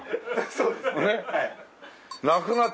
そうですねはい。